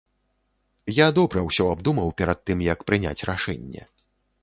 Я добра ўсё абдумаў перад тым, як прыняць рашэнне.